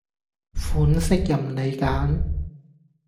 款式任你揀